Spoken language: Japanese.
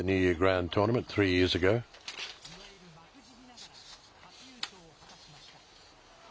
いわゆる幕尻ながら初優勝を果たしました。